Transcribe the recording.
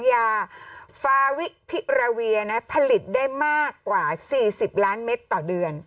ยาฟาวิพิราเวียนะผลิตได้มากกว่า๔๐ล้านเมตรต่อเดือน